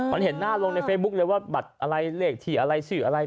มันเห็นหน้าลงในเฟซบุ๊คเลยว่าบัตรอะไรเลขที่อะไรชื่ออะไร